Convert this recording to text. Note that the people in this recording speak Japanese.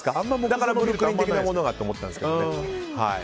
だからブルックリン的なものかと思ったんですけどね。